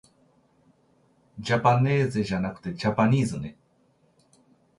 じゃぱねーぜじゃなくてじゃぱにーずね